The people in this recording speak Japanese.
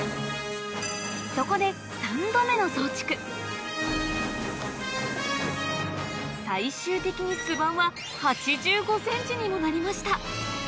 そこで最終的に巣板は８５ｃｍにもなりました